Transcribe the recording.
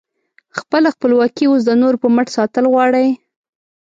خپله خپلواکي اوس د نورو په مټ ساتل غواړې؟